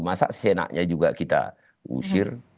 masa senaknya juga kita usir